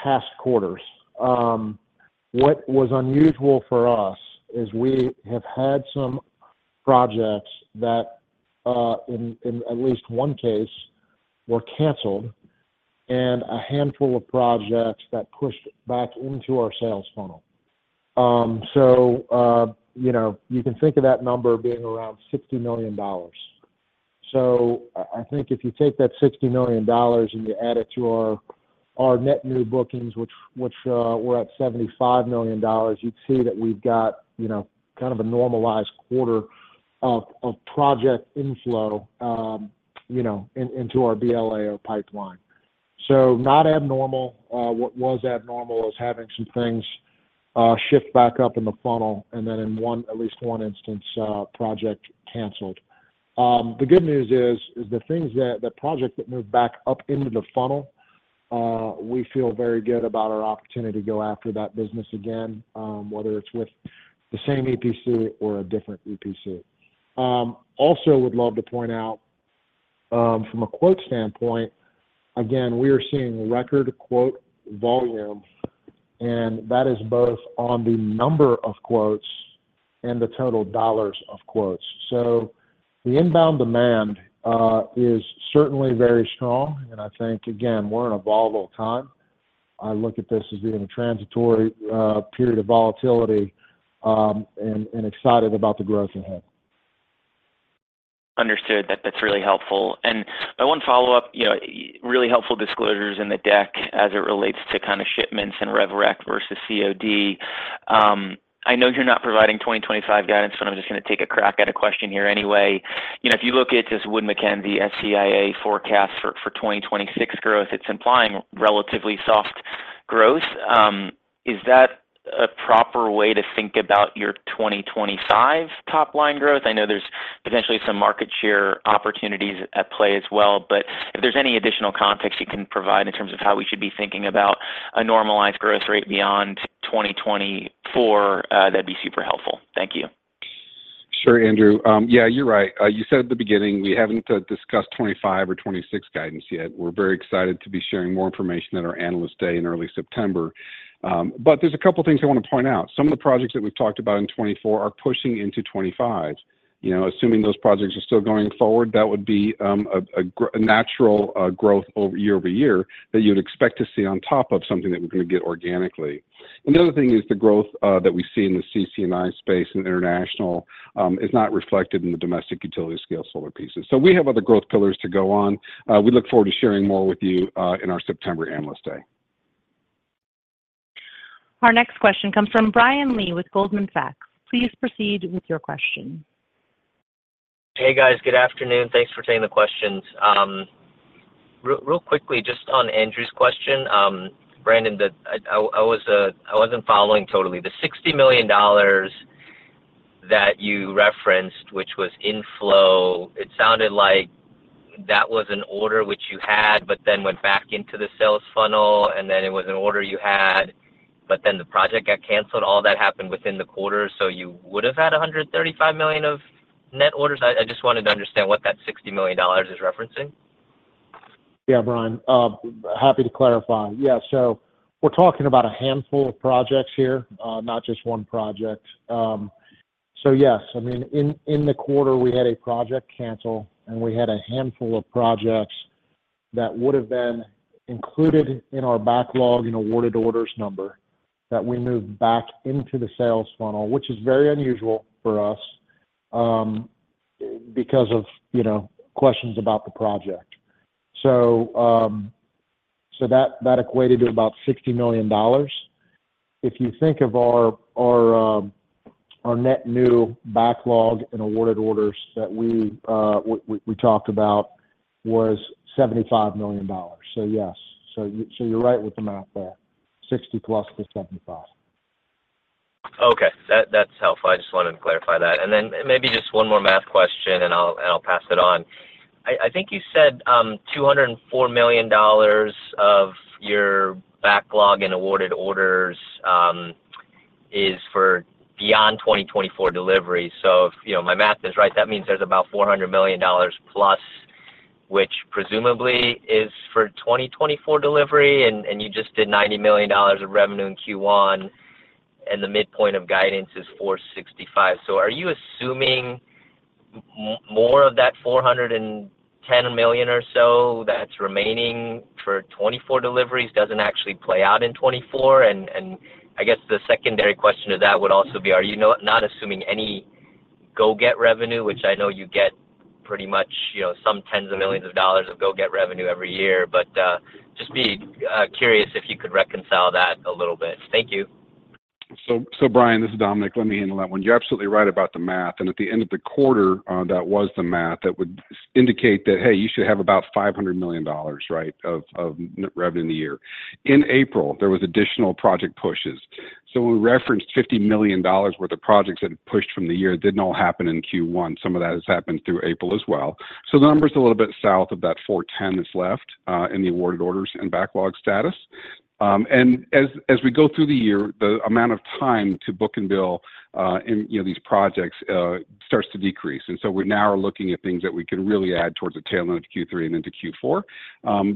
past quarters. What was unusual for us is we have had some projects that, in at least one case, were canceled, and a handful of projects that pushed back into our sales funnel. So, you know, you can think of that number being around $60 million. So I think if you take that $60 million and you add it to our net new bookings, which we're at $75 million, you'd see that we've got, you know, kind of a normalized quarter of project inflow, you know, into our BLA or pipeline. So not abnormal. What was abnormal was having some things shift back up in the funnel, and then in one, at least one instance, project canceled. The good news is the things that, the project that moved back up into the funnel, we feel very good about our opportunity to go after that business again, whether it's with the same EPC or a different EPC. Also would love to point out, from a quote standpoint, again, we are seeing record quote volume, and that is both on the number of quotes and the total dollars of quotes. So the inbound demand is certainly very strong. And I think, again, we're in a volatile time. I look at this as being a transitory period of volatility, and excited about the growth ahead. Understood. That's really helpful. I want to follow up, you know, really helpful disclosures in the deck as it relates to kind of shipments and rev rec versus COD. I know you're not providing 2025 guidance, but I'm just going to take a crack at a question here anyway. You know, if you look at this Wood Mackenzie EIA forecast for 2026 growth, it's implying relatively soft growth. Is that a proper way to think about your 2025 top-line growth? I know there's potentially some market share opportunities at play as well, but if there's any additional context you can provide in terms of how we should be thinking about a normalized growth rate beyond 2024, that'd be super helpful. Thank you. Sure, Andrew. Yeah, you're right. You said at the beginning, we haven't discussed 2025 or 2026 guidance yet. We're very excited to be sharing more information at our Analyst Day in early September. But there's a couple of things I want to point out. Some of the projects that we've talked about in 2024 are pushing into 2025. You know, assuming those projects are still going forward, that would be a natural growth over year-over-year that you'd expect to see on top of something that we're going to get organically. And the other thing is the growth that we see in the CC&I space and international is not reflected in the domestic utility scale solar pieces. So we have other growth pillars to go on. We look forward to sharing more with you in our September Analyst Day. Our next question comes from Brian Lee with Goldman Sachs. Please proceed with your question.... Hey, guys. Good afternoon. Thanks for taking the questions. Real quickly, just on Andrew's question, Brandon, I, I was, I wasn't following totally. The $60 million that you referenced, which was inflow, it sounded like that was an order which you had, but then went back into the sales funnel, and then it was an order you had, but then the project got canceled. All that happened within the quarter, so you would have had $135 million of net orders? I just wanted to understand what that $60 million is referencing. Yeah, Brian, happy to clarify. Yeah, so we're talking about a handful of projects here, not just one project. So yes, I mean, in the quarter, we had a project cancel, and we had a handful of projects that would have been included in our backlog and awarded orders number, that we moved back into the sales funnel, which is very unusual for us, because of, you know, questions about the project. So, that equated to about $60 million. If you think of our net new backlog and awarded orders that we talked about was $75 million. So yes, you're right with the math there, $60 million plus the $75 million. Okay, that, that's helpful. I just wanted to clarify that. And then maybe just one more math question, and I'll pass it on. I think you said $204 million of your backlog and awarded orders is for beyond 2024 delivery. So if you know my math is right, that means there's about $400 million plus, which presumably is for 2024 delivery, and you just did $90 million of revenue in Q1, and the midpoint of guidance is $465 million. So are you assuming more of that $410 million or so that's remaining for 2024 deliveries doesn't actually play out in 2024? And I guess the secondary question to that would also be, are you, you know, not assuming any go-get revenue, which I know you get pretty much, you know, some $tens of millions of go-get revenue every year. But just be curious if you could reconcile that a little bit. Thank you. So, Brian, this is Dominic. Let me handle that one. You're absolutely right about the math, and at the end of the quarter, that was the math, that would indicate that, hey, you should have about $500 million, right, of net revenue in the year. In April, there was additional project pushes. So when we referenced $50 million worth of projects that had pushed from the year, it didn't all happen in Q1. Some of that has happened through April as well. So the number is a little bit south of that 410 that's left in the awarded orders and backlog status. And as we go through the year, the amount of time to book and bill in, you know, these projects starts to decrease. And so we now are looking at things that we can really add towards the tail end of Q3 and into Q4.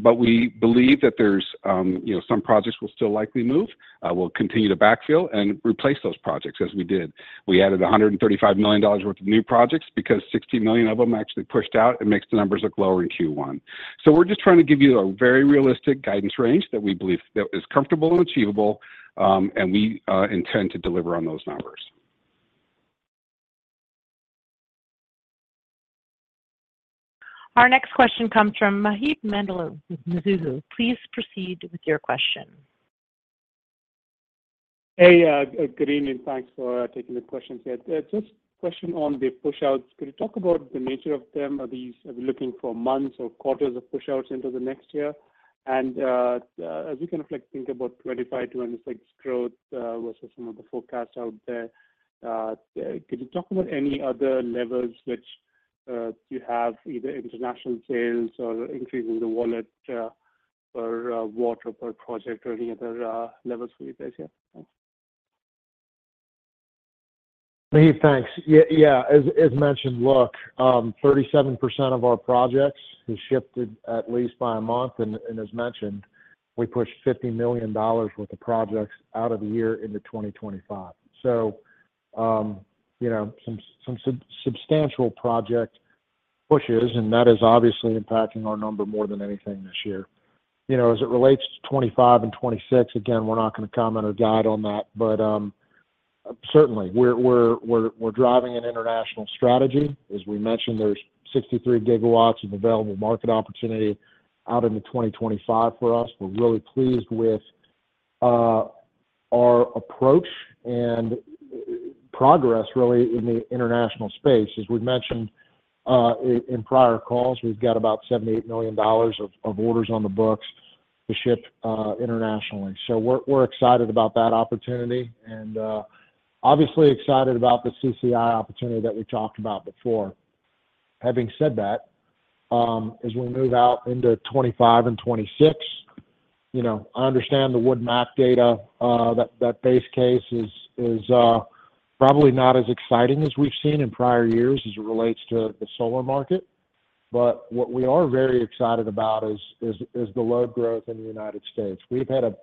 But we believe that there's, you know, some projects will still likely move. We'll continue to backfill and replace those projects as we did. We added $135 million worth of new projects because $60 million of them actually pushed out and makes the numbers look lower in Q1. So we're just trying to give you a very realistic guidance range that we believe that is comfortable and achievable, and we intend to deliver on those numbers. Our next question comes from Maheep Mandloi with Mizuho. Please proceed with your question. Hey, good evening. Thanks for taking the questions here. Just question on the pushouts. Could you talk about the nature of them? Are these, are we looking for months or quarters of pushouts into the next year? And, as we kind of like think about 2025, 2026 growth versus some of the forecasts out there, could you talk about any other levers which you have, either international sales or increase in the wallet per watt per project or any other levers for you guys? Yeah, thanks. Maheep, thanks. Yeah, yeah, as mentioned, look, 37% of our projects has shifted at least by a month, and as mentioned, we pushed $50 million worth of projects out of the year into 2025. So, you know, some substantial project pushes, and that is obviously impacting our number more than anything this year. You know, as it relates to 2025 and 2026, again, we're not gonna comment or guide on that, but certainly, we're driving an international strategy. As we mentioned, there's 63 gigawatts of available market opportunity out into 2025 for us. We're really pleased with our approach and progress, really, in the international space. As we've mentioned, in prior calls, we've got about $78 million of orders on the books to ship internationally. So we're excited about that opportunity and obviously excited about the CC&I opportunity that we talked about before. Having said that, as we move out into 2025 and 2026, you know, I understand the Wood Mackenzie data that base case is probably not as exciting as we've seen in prior years as it relates to the solar market. But what we are very excited about is the load growth in the United States. We've had a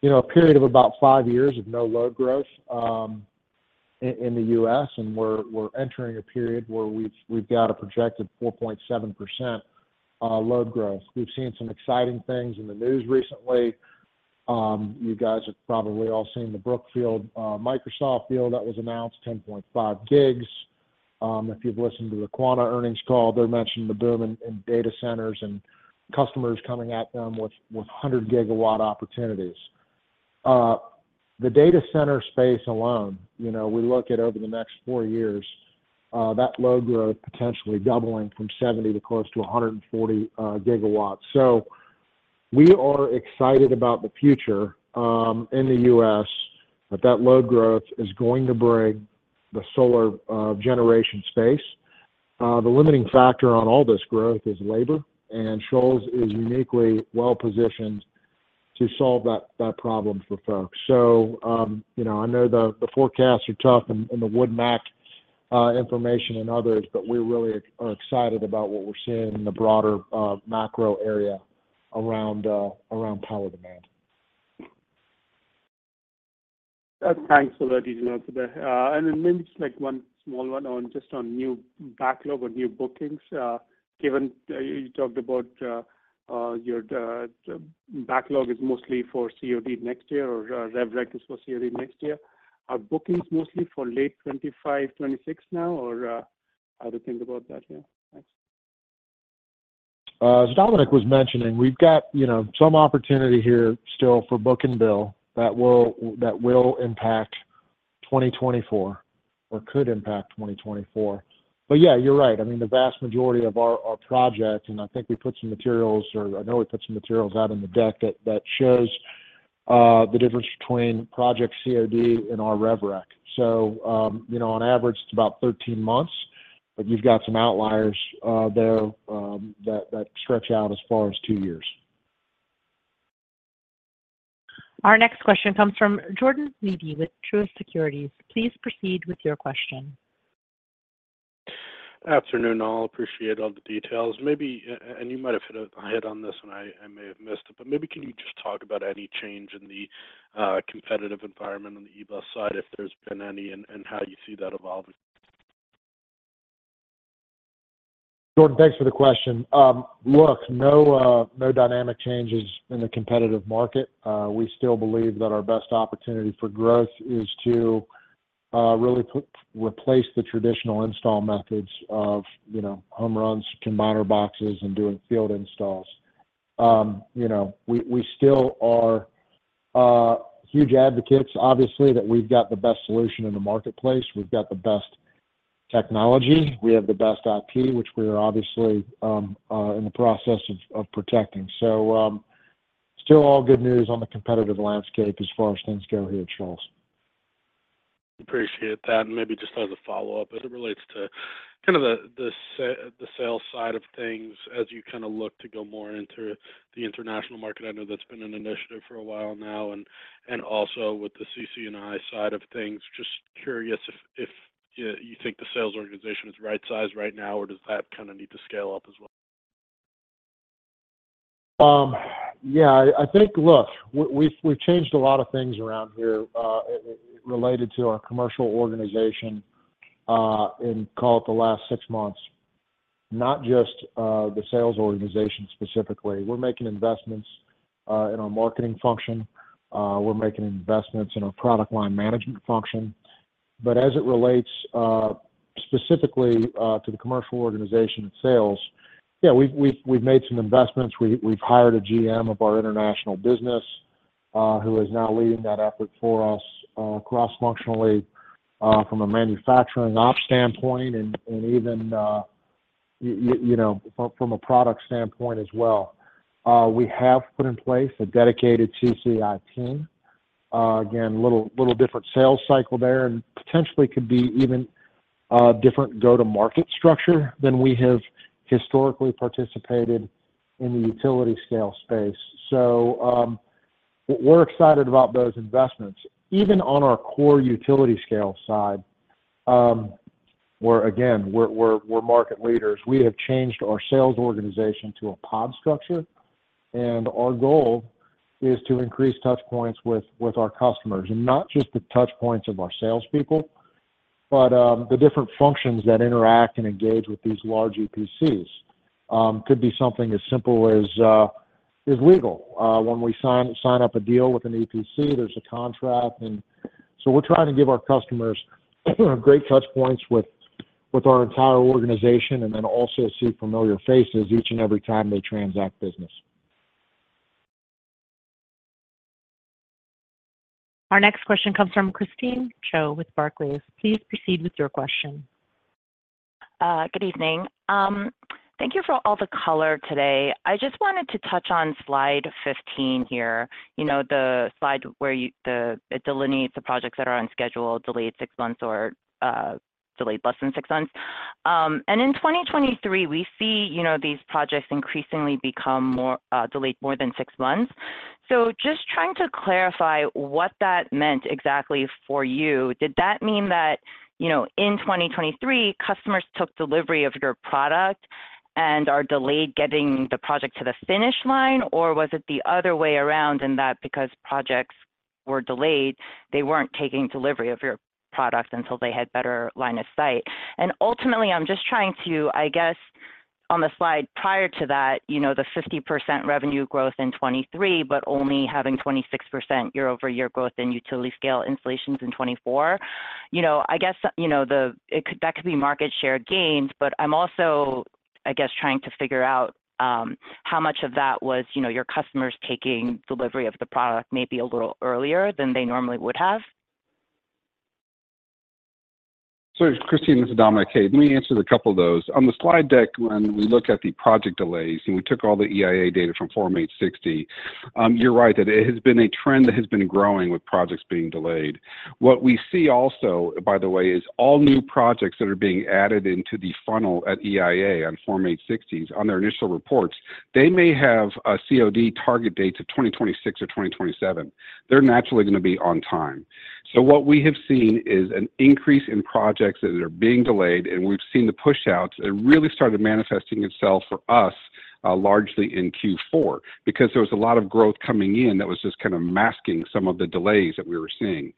you know a period of about 5 years of no load growth in the U.S., and we're entering a period where we've got a projected 4.7% load growth. We've seen some exciting things in the news recently. You guys have probably all seen the Brookfield Microsoft deal that was announced, 10.5 gigs. If you've listened to the Quanta earnings call, they're mentioning the boom in data centers and customers coming at them with 100-gigawatt opportunities. The data center space alone, you know, we look at over the next four years, that load growth potentially doubling from 70 to close to 140 gigawatts. So we are excited about the future, in the U.S., that load growth is going to bring the solar generation space. The limiting factor on all this growth is labor, and Shoals is uniquely well-positioned to solve that problem for folks. So, you know, I know the forecasts are tough in the WoodMac information and others, but we really are excited about what we're seeing in the broader macro area around power demand. Thanks for that detail today. And then just like one small one on, just on new backlog or new bookings. Given you talked about the backlog is mostly for COD next year, or rev rec is for COD next year. Are bookings mostly for late 2025, 2026 now, or how do you think about that here? Thanks. As Dominic was mentioning, we've got, you know, some opportunity here still for book and bill that will impact 2024, or could impact 2024. But yeah, you're right. I mean, the vast majority of our projects, and I think we put some materials, or I know we put some materials out in the deck that shows the difference between project COD and our rev rec. So, you know, on average, it's about 13 months, but we've got some outliers there that stretch out as far as two years. Our next question comes from Jordan Levy with Truist Securities. Please proceed with your question. Afternoon, all. Appreciate all the details. Maybe, and you might have hit on this, and I may have missed it, but maybe can you just talk about any change in the competitive environment on the EBOS side, if there's been any, and how you see that evolving? Jordan, thanks for the question. Look, no dynamic changes in the competitive market. We still believe that our best opportunity for growth is to really replace the traditional install methods of, you know, home runs, combiner boxes, and doing field installs. You know, we still are huge advocates, obviously, that we've got the best solution in the marketplace. We've got the best technology, we have the best IP, which we are obviously in the process of protecting. So, still all good news on the competitive landscape as far as things go here at Shoals. Appreciate that. And maybe just as a follow-up, as it relates to kind of the sales side of things, as you kind of look to go more into the international market. I know that's been an initiative for a while now, and also with the CC&I side of things. Just curious if you think the sales organization is right-sized right now, or does that kind of need to scale up as well? Yeah, I think, look, we've changed a lot of things around here related to our commercial organization in call it the last six months, not just the sales organization specifically. We're making investments in our marketing function, we're making investments in our product line management function. But as it relates specifically to the commercial organization and sales, yeah, we've made some investments. We've hired a GM of our international business who is now leading that effort for us cross-functionally from a manufacturing op standpoint and even you know from a product standpoint as well. We have put in place a dedicated CC&I team. Again, little different sales cycle there, and potentially could be even a different go-to-market structure than we have historically participated in the utility scale space. So, we're excited about those investments. Even on our core utility scale side, we're again market leaders. We have changed our sales organization to a pod structure, and our goal is to increase touch points with our customers. And not just the touch points of our salespeople, but the different functions that interact and engage with these large EPCs. Could be something as simple as legal. When we sign up a deal with an EPC, there's a contract. And so we're trying to give our customers great touch points with our entire organization, and then also see familiar faces each and every time they transact business. Our next question comes from Christine Cho with Barclays. Please proceed with your question. Good evening. Thank you for all the color today. I just wanted to touch on Slide 15 here. You know, the slide where it delineates the projects that are on schedule, delayed 6 months or delayed less than 6 months. And in 2023, we see, you know, these projects increasingly become more delayed more than 6 months. So just trying to clarify what that meant exactly for you. Did that mean that, you know, in 2023, customers took delivery of your product and are delayed getting the project to the finish line? Or was it the other way around, and that because projects were delayed, they weren't taking delivery of your product until they had better line of sight? And ultimately, I'm just trying to, I guess, on the slide prior to that, you know, the 50% revenue growth in 2023, but only having 26% YoY growth in utility scale installations in 2024. You know, I guess, you know, it could, that could be market share gains, but I'm also... I guess trying to figure out how much of that was, you know, your customers taking delivery of the product maybe a little earlier than they normally would have? So Christine, this is Dominic here. Let me answer a couple of those. On the slide deck, when we look at the project delays, and we took all the EIA data from Form 860, you're right, that it has been a trend that has been growing with projects being delayed. What we see also, by the way, is all new projects that are being added into the funnel at EIA on Form 860s, on their initial reports, they may have a COD target date to 2026 or 2027. They're naturally going to be on time. So what we have seen is an increase in projects that are being delayed, and we've seen the push-outs. It really started manifesting itself for us, largely in Q4, because there was a lot of growth coming in that was just kind of masking some of the delays that we were seeing.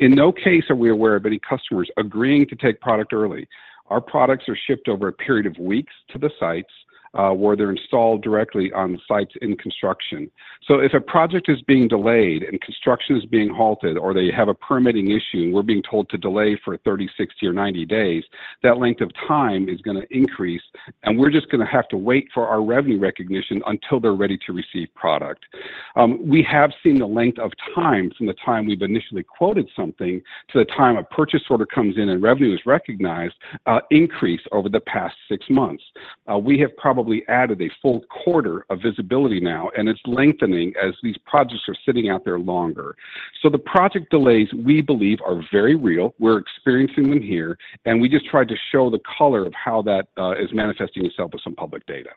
In no case are we aware of any customers agreeing to take product early. Our products are shipped over a period of weeks to the sites, where they're installed directly on sites in construction. So if a project is being delayed and construction is being halted, or they have a permitting issue, and we're being told to delay for 30, 60, or 90 days, that length of time is going to increase, and we're just going to have to wait for our revenue recognition until they're ready to receive product. We have seen the length of time from the time we've initially quoted something to the time a purchase order comes in and revenue is recognized increase over the past six months. We have probably added a full quarter of visibility now, and it's lengthening as these projects are sitting out there longer. So the project delays, we believe, are very real. We're experiencing them here, and we just tried to show the color of how that is manifesting itself with some public data.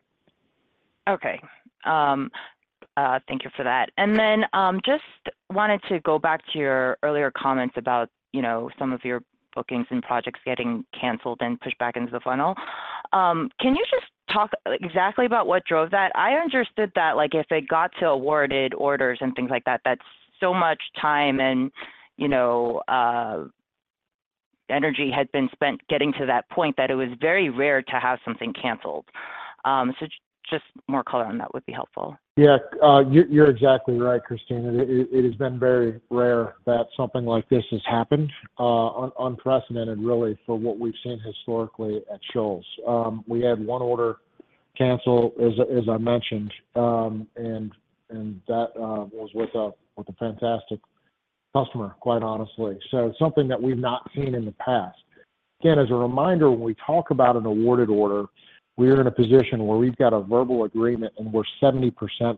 Okay. Thank you for that. And then, just wanted to go back to your earlier comments about, you know, some of your bookings and projects getting canceled and pushed back into the funnel. Can you just talk exactly about what drove that? I understood that, like, if it got to awarded orders and things like that, that's so much time and, you know, energy had been spent getting to that point that it was very rare to have something canceled. So just more color on that would be helpful. Yeah, you're exactly right, Christine. It has been very rare that something like this has happened. Unprecedented, really, for what we've seen historically at Shoals. We had one order cancel, as I mentioned, and that was with a fantastic customer, quite honestly. So it's something that we've not seen in the past. Again, as a reminder, when we talk about an awarded order, we are in a position where we've got a verbal agreement, and we're 70%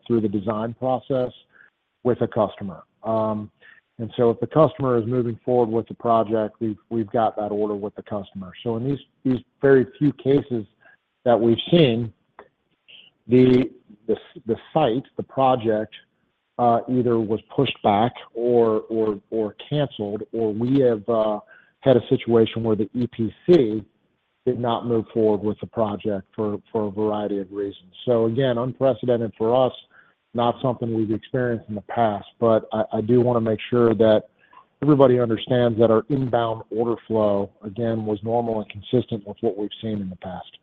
through the design process with a customer. And so if the customer is moving forward with the project, we've got that order with the customer. So in these very few cases that we've seen, the site, the project either was pushed back or canceled, or we have had a situation where the EPC did not move forward with the project for a variety of reasons. So again, unprecedented for us, not something we've experienced in the past, but I do want to make sure that everybody understands that our inbound order flow, again, was normal and consistent with what we've seen in the past.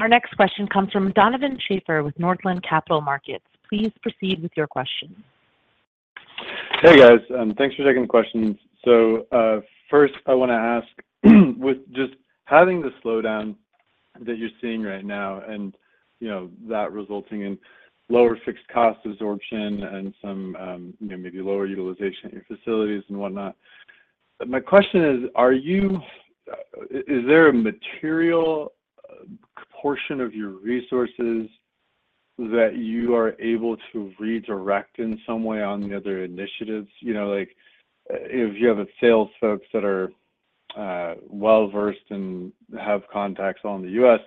Our next question comes from Donovan Schafer with Northland Capital Markets. Please proceed with your question. Hey, guys, thanks for taking the questions. So, first, I want to ask, with just having the slowdown that you're seeing right now and, you know, that resulting in lower fixed cost absorption and some, you know, maybe lower utilization in your facilities and whatnot. My question is: is there a material portion of your resources that you are able to redirect in some way on the other initiatives? You know, like, if you have sales folks that are well-versed and have contacts all in the U.S.,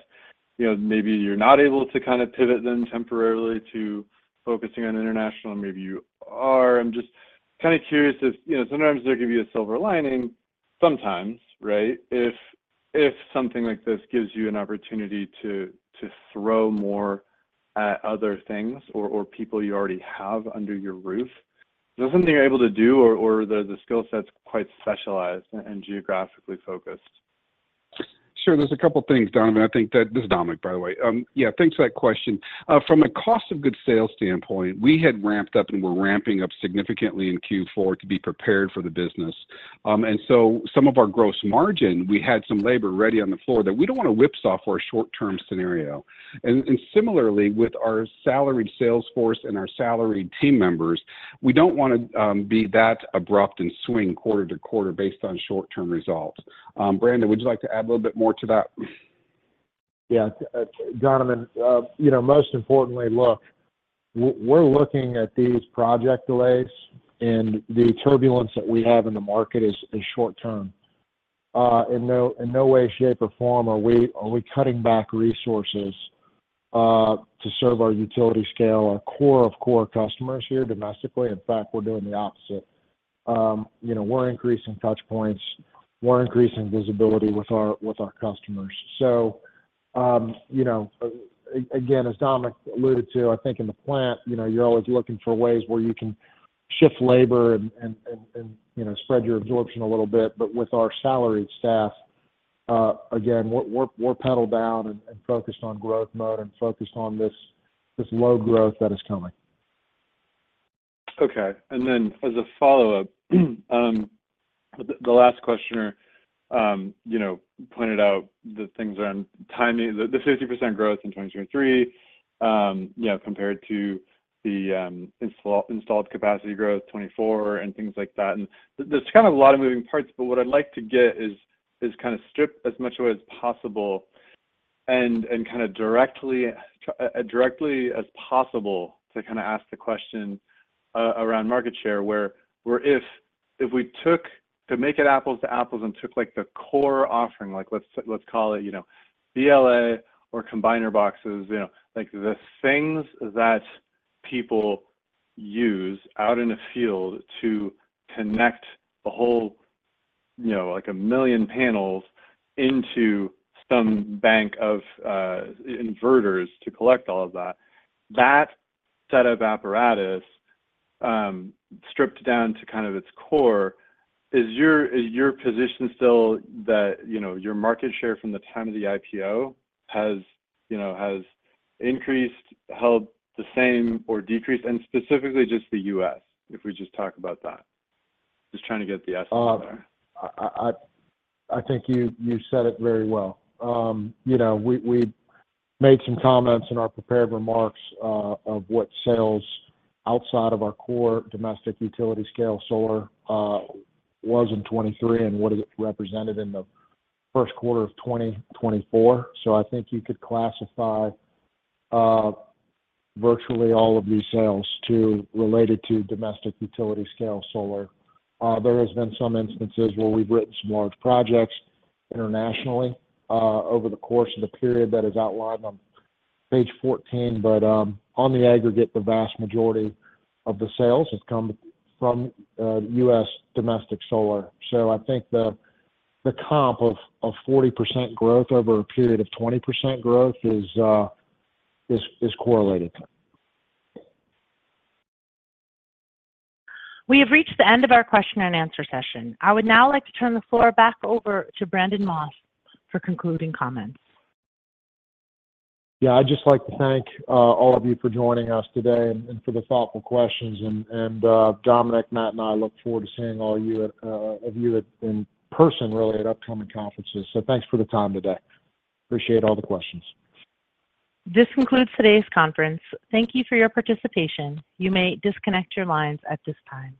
you know, maybe you're not able to kind of pivot them temporarily to focusing on international, or maybe you are. I'm just kind of curious if, you know, sometimes there can be a silver lining sometimes, right? If something like this gives you an opportunity to throw more at other things or people you already have under your roof, is that something you're able to do or are the skill sets quite specialized and geographically focused? Sure. There's a couple of things, Donovan. I think that... This is Dominic, by the way. Yeah, thanks for that question. From a cost of goods sold standpoint, we had ramped up and we're ramping up significantly in Q4 to be prepared for the business. And so some of our gross margin, we had some labor ready on the floor that we don't want to whipsaw for a short-term scenario. And similarly, with our salaried sales force and our salaried team members, we don't want to be that abrupt and swing quarter to quarter based on short-term results. Brandon, would you like to add a little bit more to that? Yeah. Donovan, you know, most importantly, look, we're looking at these project delays, and the turbulence that we have in the market is short term. In no way, shape, or form are we cutting back resources to serve our utility scale, our core of core customers here domestically. In fact, we're doing the opposite. You know, we're increasing touch points, we're increasing visibility with our customers. So, you know, again, as Dominic alluded to, I think in the plant, you know, you're always looking for ways where you can shift labor and, you know, spread your absorption a little bit. But with our salaried staff, again, we're pedal down and focused on growth mode and focused on this low growth that is coming.... Okay, and then as a follow-up, the last questioner, you know, pointed out the things around timing, the 50% growth in 2023, you know, compared to the installed capacity growth 2024 and things like that. There's kind of a lot of moving parts, but what I'd like to get is kind of strip as much away as possible and kind of directly as possible to kind of ask the question around market share, where if we took to make it apples to apples and took, like, the core offering, like let's call it, you know, BLA or combiner boxes, you know, like the things that people use out in the field to connect the whole, you know, like 1 million panels into some bank of inverters to collect all of that. That set of apparatus stripped down to kind of its core, is your position still that, you know, your market share from the time of the IPO has, you know, increased, held the same, or decreased? Specifically just the U.S., if we just talk about that. Just trying to get the essence there. I think you said it very well. You know, we made some comments in our prepared remarks of what sales outside of our core domestic utility scale solar was in 2023 and what it represented in the first quarter of 2024. So I think you could classify virtually all of these sales related to domestic utility scale solar. There has been some instances where we've written some large projects internationally over the course of the period that is outlined on page 14. But on the aggregate, the vast majority of the sales have come from U.S. domestic solar. So I think the comp of 40% growth over a period of 20% growth is correlated. We have reached the end of our question and answer session. I would now like to turn the floor back over to Brandon Moss for concluding comments. Yeah. I'd just like to thank all of you for joining us today and Dominic, Matt, and I look forward to seeing all of you in person, really, at upcoming conferences. So thanks for the time today. Appreciate all the questions. This concludes today's conference. Thank you for your participation. You may disconnect your lines at this time.